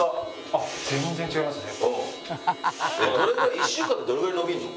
あっ全然違いますね。